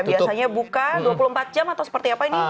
biasanya buka dua puluh empat jam atau seperti apa ini